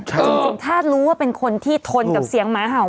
จริงถ้ารู้ว่าเป็นคนที่ทนกับเสียงหมาเห่า